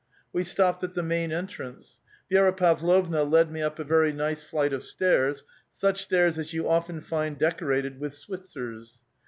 We stopped at the main entrance. Vi^ra Pavlovna led me up a very nice flight of stairs, such stairs as you often find decorated with Switzers.